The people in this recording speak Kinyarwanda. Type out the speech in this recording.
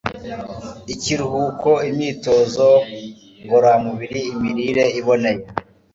ikiruhuko imyitozo ngororamubiri imirire iboneye